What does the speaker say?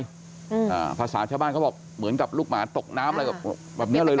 อ่าภาษาชาวบ้านเขาบอกเหมือนกับลูกหมาตกน้ำอะไรแบบแบบเนี้ยเลยเห